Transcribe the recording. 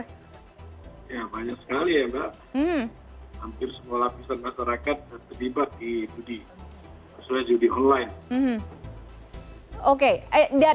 ya banyak sekali ya mbak hampir semua lapisan masyarakat terlibat di judi sesuai judi online